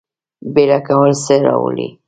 بیړه کول څه راوړي؟